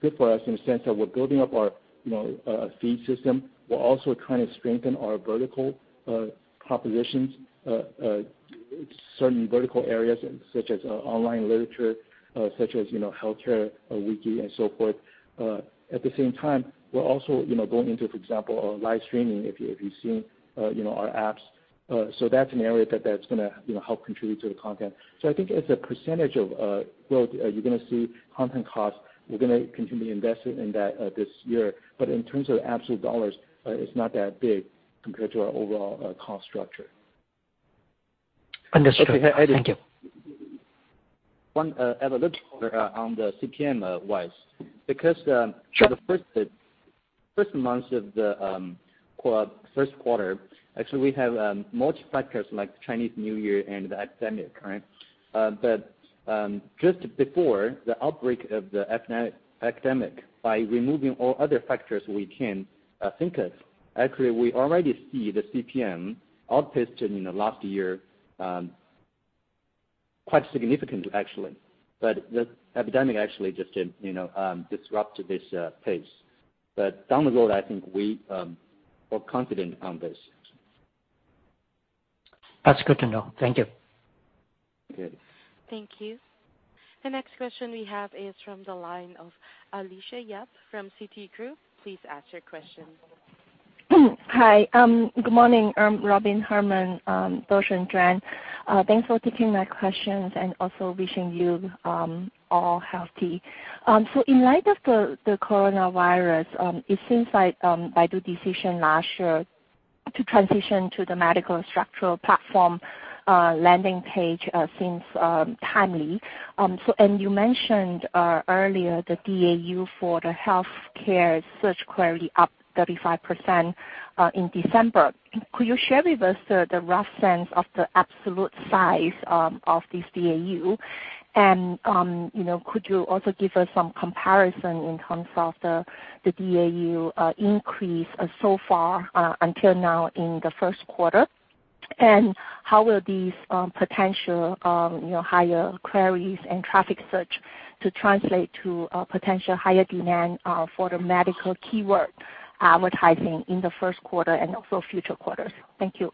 good for us in the sense that we're building up our feed system. We're also trying to strengthen our vertical propositions, certain vertical areas such as online literature, such as healthcare, Baidu Baike, and so forth. At the same time, we're also going into, for example, live streaming, if you've seen our apps. That's an area that's going to help contribute to the content. I think as a percentage of growth, you're going to see content costs, we're going to continue to invest in that this year. In terms of absolute dollars, it's not that big compared to our overall cost structure. Understood. Thank you. One analytical on the CPM wise. Sure. The first months of the Q1, actually we have most factors like Chinese New Year and the epidemic. Just before the outbreak of the epidemic, by removing all other factors we can think of, actually, we already see the CPM outpacing the last year quite significantly actually. The epidemic actually just disrupted this pace. Down the road, I think we are confident on this. That's good to know. Thank you. Good. Thank you. The next question we have is from the line of Alicia Yap from Citigroup. Please ask your question. Hi. Good morning, Robin, Herman, Dou Shen, and Juan. Thanks for taking my questions and also wishing you all healthy. In light of the coronavirus, it seems like Baidu decision last year to transition to the medical structural platform landing page seems timely. You mentioned earlier the DAU for the healthcare search query up 35% in December. Could you share with us the rough sense of the absolute size of this DAU? Could you also give us some comparison in terms of the DAU increase so far until now in the Q1? How will these potential higher queries and traffic search to translate to potential higher demand for the medical keyword advertising in the Q1 and also future quarters? Thank you.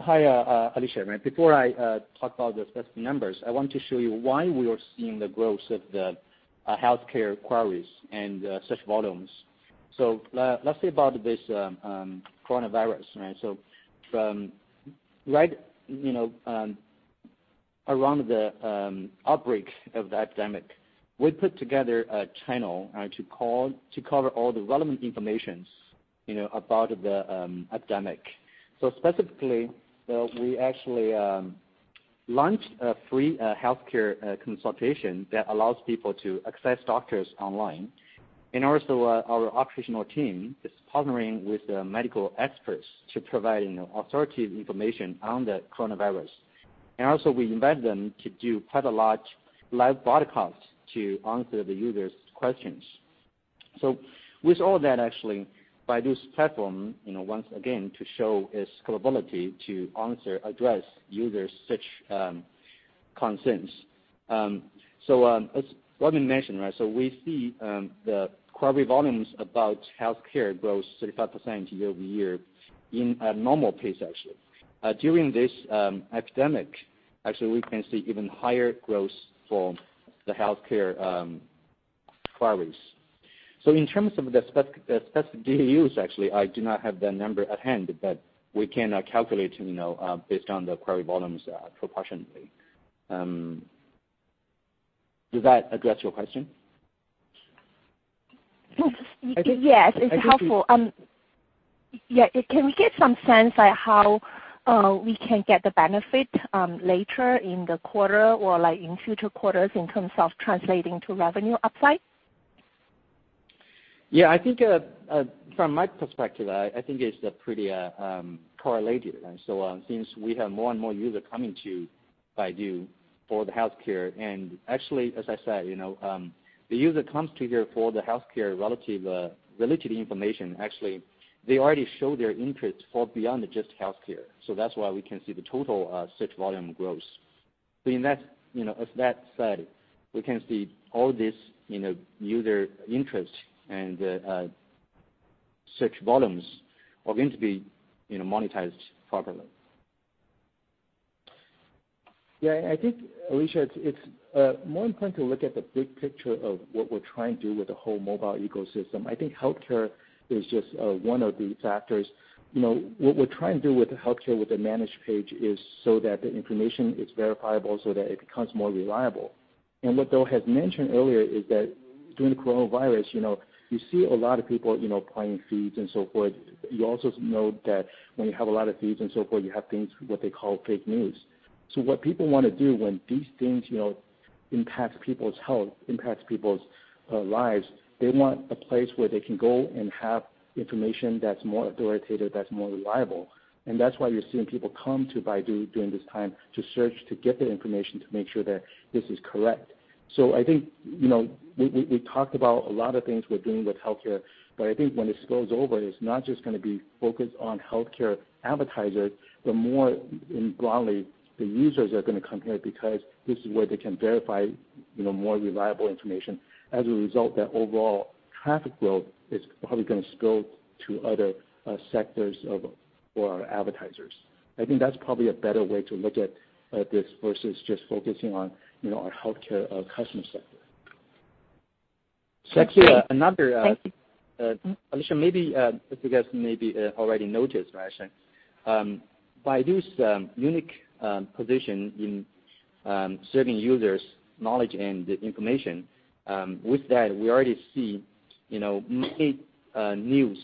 Hi, Alicia. Before I talk about the specific numbers, I want to show you why we are seeing the growth of the healthcare queries and search volumes. Let's say about this coronavirus. From right around the outbreak of the epidemic, we put together a channel to cover all the relevant information about the epidemic. Specifically, we actually launched a free healthcare consultation that allows people to access doctors online. Our operational team is partnering with medical experts to provide authoritative information on the coronavirus. We invite them to do quite a large live broadcast to answer the users' questions. With all that, actually, Baidu's platform, once again, to show its scalability to answer, address users' search concerns. As Robin mentioned, we see the query volumes about healthcare grow 35% year-over-year in a normal pace, actually. During this epidemic, actually, we can see even higher growth for the healthcare queries. In terms of the specific DAUs, actually, I do not have that number at hand, but we can calculate based on the query volumes proportionately. Does that address your question? Yes, it's helpful. I think it. Yeah. Can we get some sense how we can get the benefit later in the quarter or in future quarters in terms of translating to revenue uplifts? Yeah, I think from my perspective, I think it's pretty correlated. Since we have more and more user coming to Baidu for the healthcare, actually, as I said, the user comes to here for the healthcare related information. Actually, they already show their interest for beyond just healthcare. That's why we can see the total search volume growth. With that said, we can see all this user interest and search volumes are going to be monetized properly. Yeah, I think, Alicia, it's more important to look at the big picture of what we're trying to do with the whole mobile ecosystem. I think healthcare is just one of the factors. What we're trying to do with the healthcare, with the Managed Page is so that the information is verifiable so that it becomes more reliable. What Dou Shen had mentioned earlier is that during the coronavirus, you see a lot of people applying feeds and so forth. You also know that when you have a lot of feeds and so forth, you have things, what they call fake news. What people want to do when these things impact people's health, impact people's lives, they want a place where they can go and have information that's more authoritative, that's more reliable. That's why you're seeing people come to Baidu during this time to search, to get the information, to make sure that this is correct. I think, we talked about a lot of things we're doing with healthcare, but I think when this goes over, it's not just going to be focused on healthcare advertisers, but more broadly, the users are going to come here because this is where they can verify more reliable information. As a result, that overall traffic growth is probably going to spill to other sectors for our advertisers. I think that's probably a better way to look at this versus just focusing on our healthcare customer sector. Thank you. Actually, Alicia. Maybe, I guess maybe already noticed, right? Baidu's unique position in serving users knowledge and information. With that, we already see many news,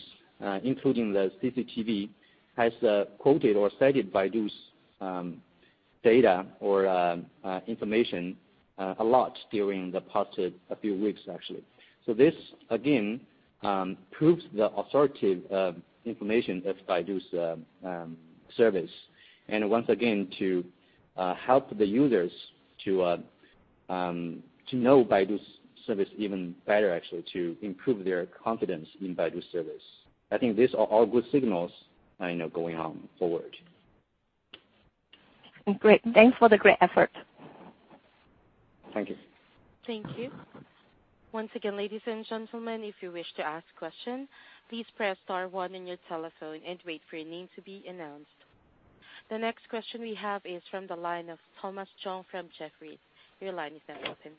including the CCTV, has quoted or cited Baidu's data or information a lot during the past few weeks, actually. This, again, proves the authoritative information of Baidu's service. Once again, to help the users to know Baidu's service even better, actually, to improve their confidence in Baidu's service. I think these are all good signals going on forward. Great. Thanks for the great effort. Thank you. Thank you. Once again, ladies and gentlemen, if you wish to ask question, please press star one on your telephone and wait for your name to be announced. The next question we have is from the line of Thomas Chong from Jefferies. Your line is now open.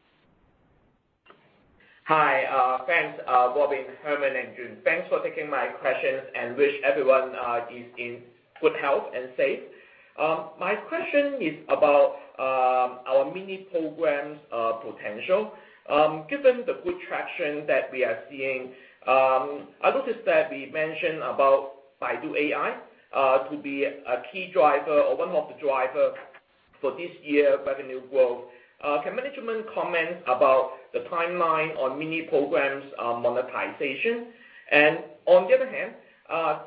Hi. Thanks, Robin, Herman, and Jun. Thanks for taking my questions and wish everyone is in good health and safe. My question is about our Mini Programs potential. Given the good traction that we are seeing, I noticed that we mentioned about Baidu AI to be a key driver or one of the drivers for this year revenue growth. Can management comment about the timeline on Mini Programs monetization? On the other hand,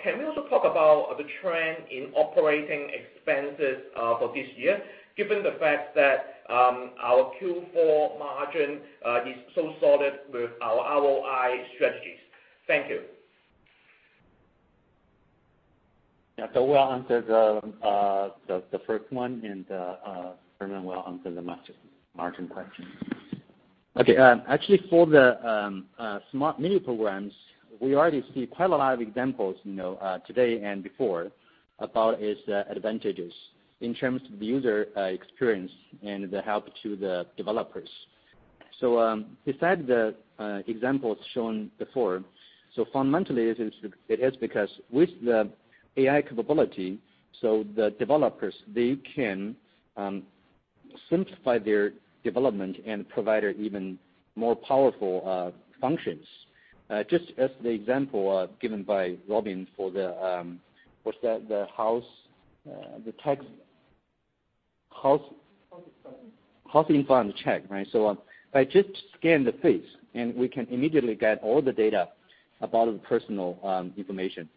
can we also talk about the trend in operating expenses for this year, given the fact that our Q4 margin is so solid with our ROI strategies? Thank you. Yeah. We'll answer the first one, and Herman will answer the margin question. Okay. Actually, for the Smart Mini Programs, we already see quite a lot of examples today and before about its advantages in terms of the user experience and the help to the developers. Beside the examples shown before, fundamentally, it is because with the AI capability, the developers, they can simplify their development and provide even more powerful functions. Just as the example given by Robin for the house. House info and check. House info and check, right? By just scan the face, we can immediately get all the data about the personal information.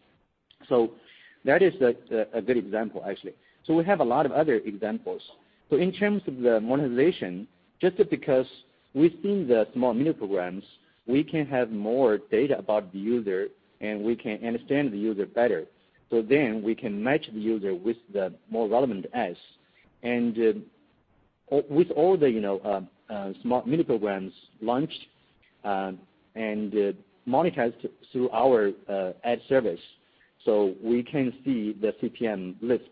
That is a good example, actually. We have a lot of other examples. In terms of the monetization, just because within the Smart Mini Programs, we can have more data about the user, and we can understand the user better. We can match the user with the more relevant ads. With all the Smart Mini Programs launched and monetized through our ad service, we can see the CPM lift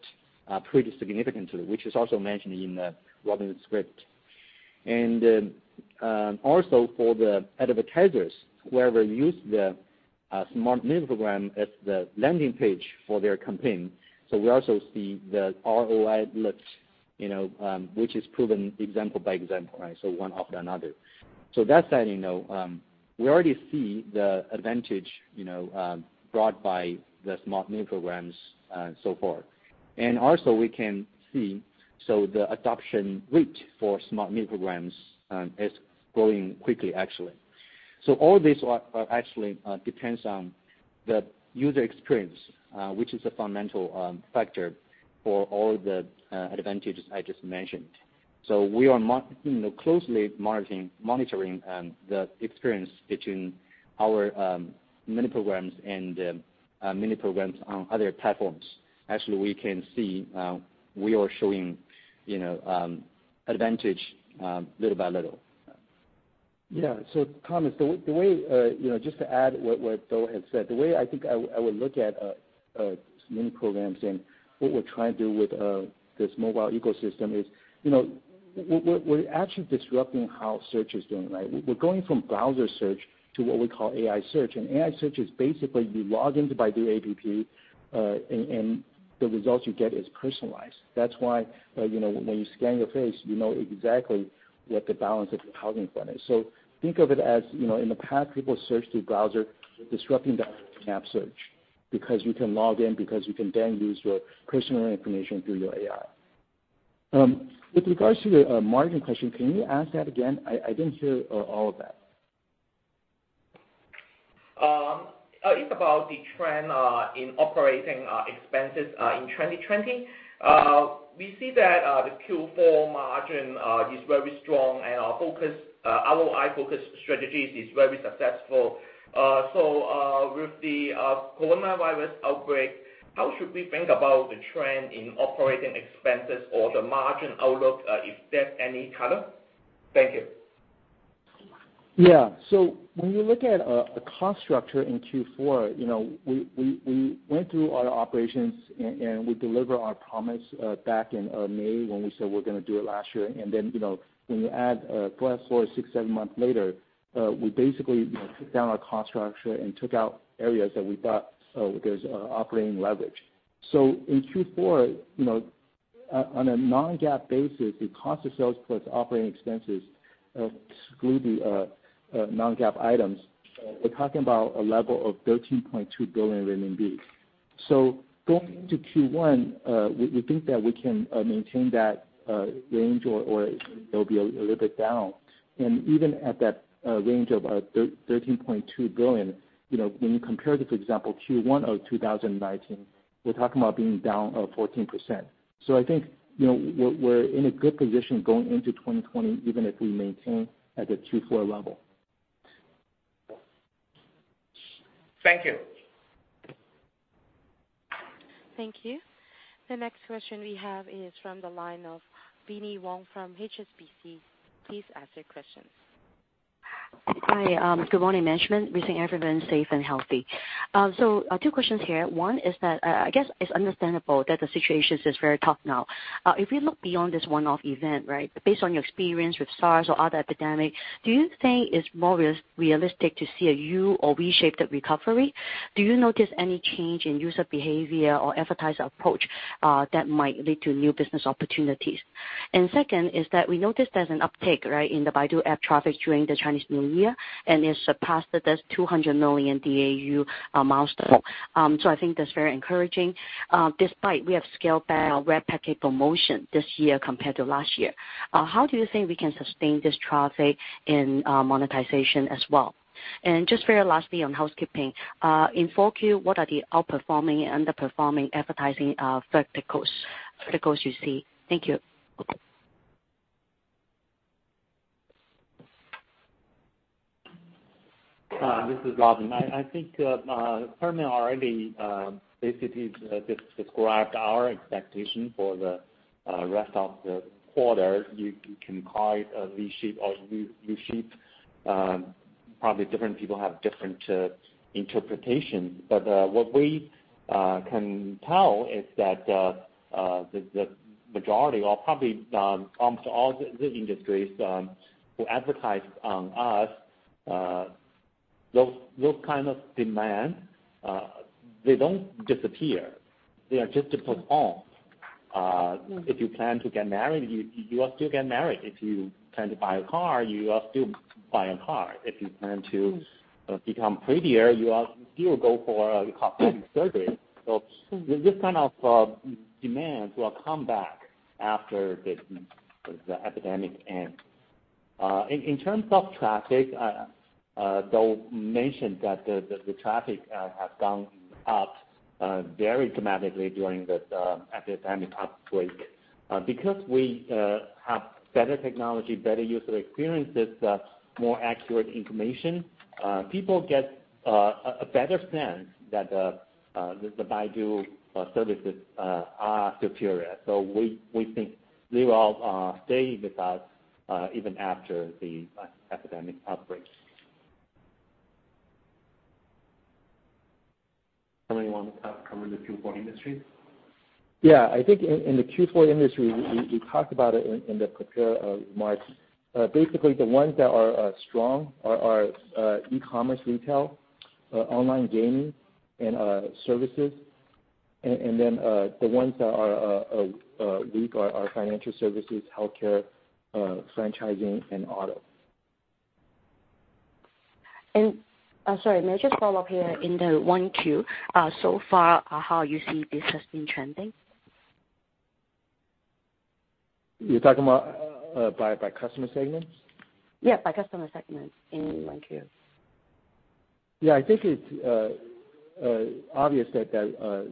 pretty significantly, which is also mentioned in Robin's script. Also, for the advertisers, whoever use the Smart Mini Program as the landing page for their campaign, we also see the ROI lift which is proven example by example, right? One after another. That said, we already see the advantage brought by the Smart Mini Programs so far. Also, we can see, the adoption rate for Smart Mini Programs is growing quickly, actually. All this actually depends on the user experience, which is a fundamental factor for all the advantages I just mentioned. We are closely monitoring the experience between our Mini Programs and Mini Programs on other platforms. Actually, we can see we are showing advantage little by little. Yeah. Thomas, just to add what Dou Shen had said, the way I think I would look at Mini Programs and what we're trying to do with this mobile ecosystem is. We're actually disrupting how search is doing. We're going from browser search to what we call AI search. AI search is basically you log into Baidu App, and the results you get is personalized. That's why when you scan your face, you know exactly what the balance of your housing fund is. Think of it as, in the past, people searched through browser. We're disrupting that with app search because you can log in, because you can then use your personal information through your AI. With regards to the margin question, can you ask that again? I didn't hear all of that. It's about the trend in operating expenses in 2020. We see that the Q4 margin is very strong and our ROI-focused strategy is very successful. With the coronavirus outbreak, how should we think about the trend in operating expenses or the margin outlook, if there's any color? Thank you. Yeah. When you look at a cost structure in Q4, we went through our operations, and we deliver our promise back in May when we said we're going to do it last year. When you add fast-forward six, seven months later, we basically took down our cost structure and took out areas that we thought there's operating leverage. In Q4, on a non-GAAP basis, the cost of sales plus operating expenses exclude the non-GAAP items. We're talking about a level of 13.2 billion renminbi. Going into Q1, we think that we can maintain that range or it'll be a little bit down. Even at that range of 13.2 billion, when you compare it to, for example, Q1 of 2019, we're talking about being down 14%. I think we're in a good position going into 2020, even if we maintain at the Q4 level. Thank you. Thank you. The next question we have is from the line of Binnie Wong from HSBC. Please ask your questions. Hi. Good morning, management. Wishing everyone safe and healthy. Two questions here. One is that, it's understandable that the situation is very tough now. If you look beyond this one-off event, based on your experience with SARS or other epidemic, do you think it's more realistic to see a U or V-shaped recovery? Do you notice any change in user behavior or advertiser approach that might lead to new business opportunities? Second is that we noticed there's an uptick in the Baidu App traffic during the Chinese New Year, and it surpassed this 200 million DAU milestone. I think that's very encouraging. Despite we have scaled back our red packet promotion this year compared to last year, how do you think we can sustain this traffic in monetization as well? Just very lastly on housekeeping. In Q4, what are the outperforming and underperforming advertising verticals you see? Thank you. This is Robin. I think Herman already basically described our expectation for the rest of the quarter. You can call it a V-shape or U-shape. Probably different people have different interpretations. What we can tell is that the majority, or probably almost all the industries who advertise on us, those kind of demand, they don't disappear. They are just postponed. If you plan to get married, you will still get married. If you plan to buy a car, you will still buy a car. If you plan to become prettier, you will still go for a cosmetic surgery. This kind of demands will come back after the epidemic ends. In terms of traffic, Dou mentioned that the traffic has gone up very dramatically during this epidemic outbreak. Because we have better technology, better user experiences, more accurate information, people get a better sense that the Baidu services are superior. We think they will all stay with us even after the epidemic outbreak. Herman, you want to cover the Q4 industry? Yeah. I think in the Q4 industry, we talked about it in the prepared remarks. Basically, the ones that are strong are e-commerce, retail, online gaming, and services. The ones that are weak are financial services, healthcare, franchising, and auto. Sorry, may I just follow up here in the Q1. So far, how you see this has been trending? You're talking about by customer segments? Yeah, by customer segments in Q1. I think it's obvious that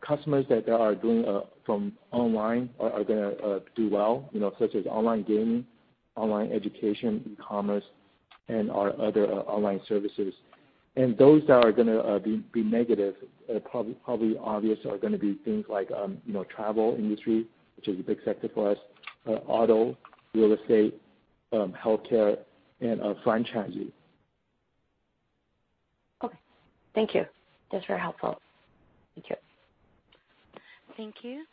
customers that are doing from online are going to do well such as online gaming, online education, e-commerce, and our other online services. Those that are going to be negative, probably obvious, are going to be things like travel industry, which is a big sector for us, auto, real estate, healthcare, and franchising. Okay. Thank you. That's very helpful. Thank you. Thank you.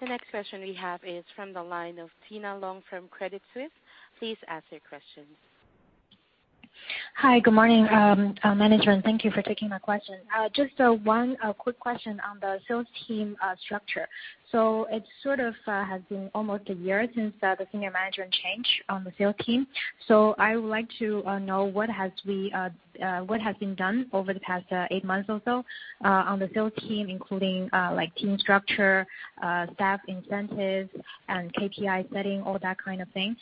The next question we have is from the line of Tina Long from Credit Suisse. Please ask your question. Hi, good morning, management. Thank you for taking my question. Just one quick question on the sales team structure. It sort of has been almost a year since the senior management change on the sales team. I would like to know what has been done over the past eight months or so on the sales team, including team structure, staff incentives, and KPI setting, all that kind of thing.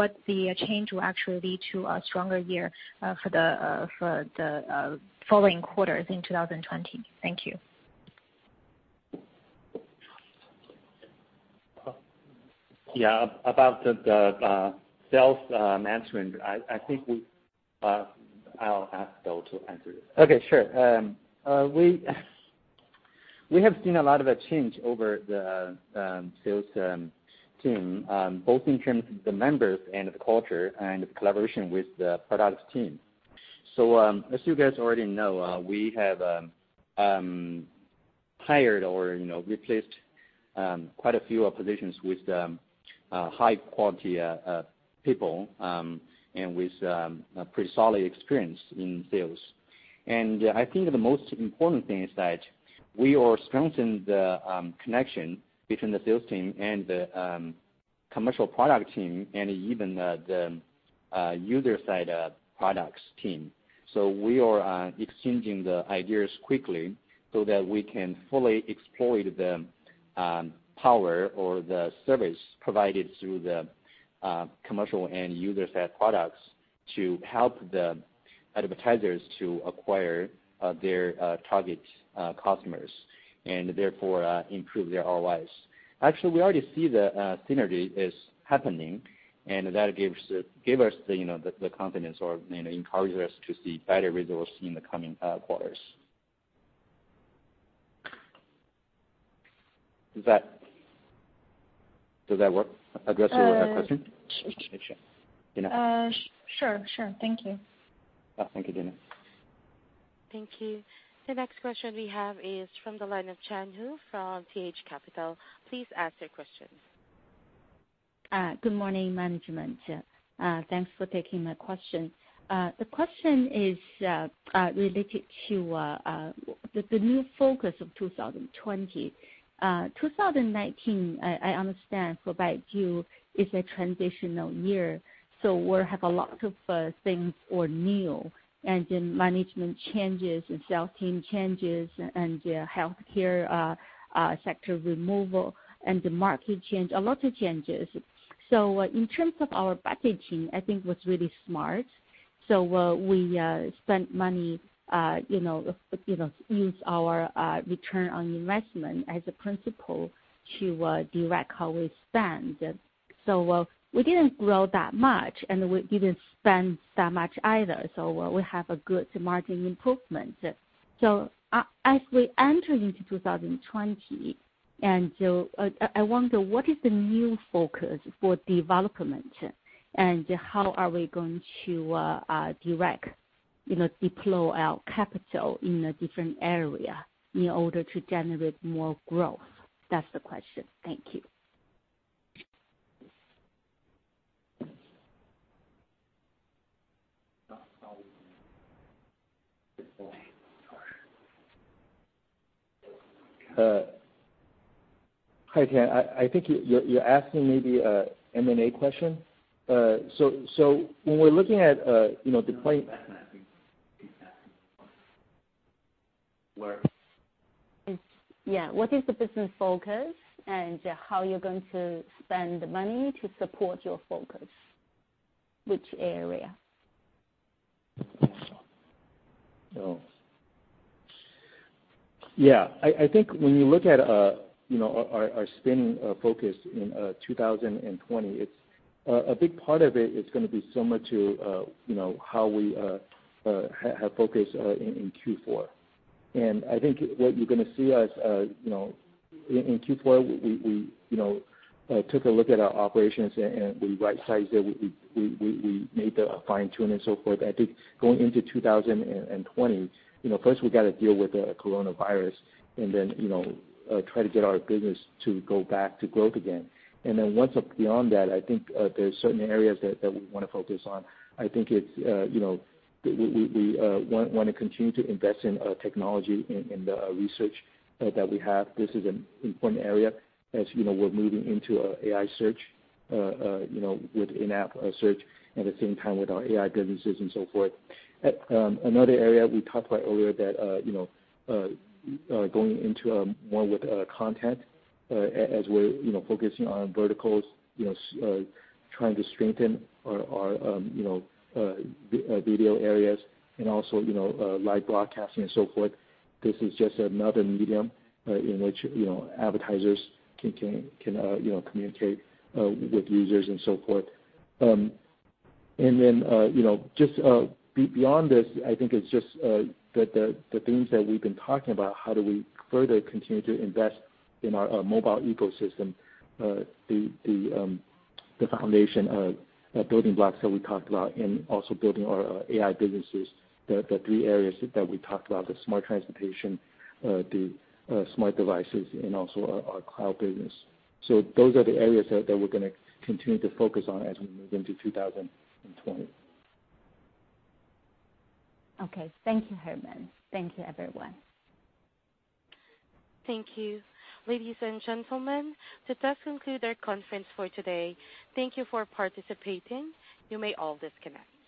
Would the change will actually lead to a stronger year, for the following quarters in 2020? Thank you. Yeah, about the sales management, I think I'll ask Dou Shen to answer this. Okay. Sure. We have seen a lot of change over the sales team, both in terms of the members and the culture, and the collaboration with the products team. As you guys already know, we have hired or replaced quite a few positions with high-quality people, and with pretty solid experience in sales. The most important thing is that we are strengthening the connection between the sales team and the commercial product team, and even the user side products team. We are exchanging the ideas quickly so that we can fully exploit the power or the service provided through the commercial and user side products to help the advertisers to acquire their target customers, and therefore, improve their ROIs. Actually, we already see the synergy is happening, and that gave us the confidence or encourages us to see better results in the coming quarters. Does that address your question? Sure. Thank you. Thank you, Tina. Thank you. The next question we have is from the line of Tian Hou from TH Capital. Please ask your question. Good morning, management. Thanks for taking my question. The question is related to the new focus of 2020. 2019, I understand for Baidu is a transitional year, so we have a lot of things were new. Management changes and sales team changes, and healthcare sector removal, and the market change, a lot of changes. In terms of our budgeting, I think was really smart. We spent money, use our return on investment as a principle to direct how we spend. We didn't grow that much, and we didn't spend that much either, so we have a good margin improvement. As we enter into 2020, I wonder what is the new focus for development, and how are we going to direct, deploy our capital in a different area in order to generate more growth? That's the question. Thank you. Hi, Tian. I think you're asking maybe an M&A question? No, I think she's asking. Yeah. What is the business focus, and how you're going to spend the money to support your focus? Which area? Yeah. I think when you look at our spending focus in 2020, a big part of it is going to be similar to how we have focused in Q4. I think what you're going to see as in Q4, we took a look at our operations and we rightsized it. We made the fine-tuning and so forth. I think going into 2020, first we got to deal with the Coronavirus, and then try to get our business to go back to growth again. Once beyond that, I think there are certain areas that we want to focus on. I think we want to continue to invest in technology, in the research that we have. This is an important area as we're moving into AI search, with in-app search, at the same time with our AI businesses and so forth. Another area we talked about earlier that going into more with content, as we're focusing on verticals, trying to strengthen our video areas and also live broadcasting and so forth. This is just another medium in which advertisers can communicate with users and so forth. Just beyond this, I think it's just the themes that we've been talking about, how do we further continue to invest in our mobile ecosystem, the foundation building blocks that we talked about, and also building our AI businesses, the three areas that we talked about, the smart transportation, the smart devices, and also our cloud business. Those are the areas that we're going to continue to focus on as we move into 2020. Okay. Thank you, Herman. Thank you, everyone. Thank you. Ladies and gentlemen, this does conclude our conference for today. Thank you for participating. You may all disconnect.